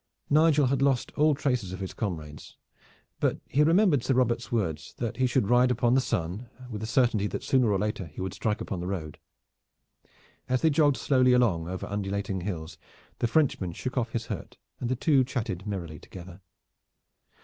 Nigel had lost all traces of his comrades; but he remembered Sir Robert's words that he should ride upon the sun with the certainty that sooner or later he would strike upon the road. As they jogged slowly along over undulating hills, the Frenchman shook off his hurt and the two chatted merrily together.